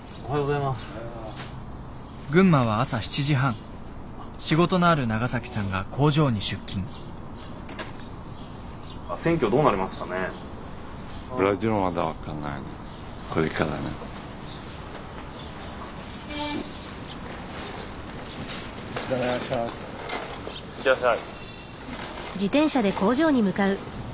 いってらっしゃい。